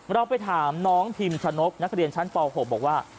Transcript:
เราไปถามน้องพิมชะนกนักเรียนชั้นป๖บอกว่า